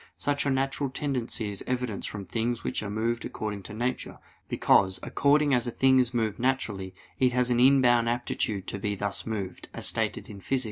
Such a natural tendency is evidenced from things which are moved according to nature: because "according as a thing is moved naturally, it has an inborn aptitude to be thus moved," as stated in Phys.